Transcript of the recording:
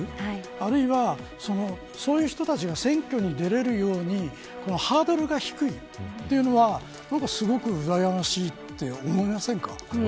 あるいは、そういう人たちが選挙に出られるようにハードルが低いというのはすごくうらやましいと思いませんか。